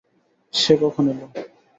সে কখন এলো?